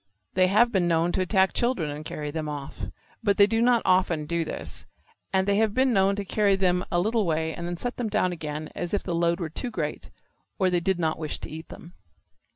They have been known to attack children and carry them off. But they do not often do this, and they have been known to carry them a little way and then set them down again as if the load were too great or they did not wish to eat them.